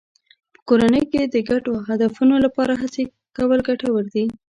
په کورنۍ کې د ګډو هدفونو لپاره هڅې کول ګټور دي.